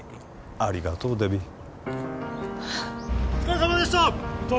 ありがとうございましたお疲れさまでした！